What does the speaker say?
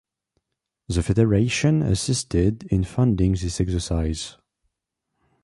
The Federation assisted in funding this exercise.